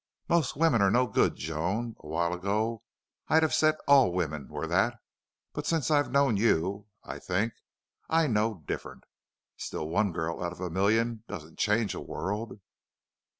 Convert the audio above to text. Most women are no good, Joan. A while ago I'd have said ALL women were that, but since I've known you I think I know different. Still, one girl out of a million doesn't change a world."